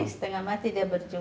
setengah mati dia berjuang